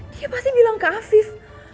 dia pasti bilang ke asis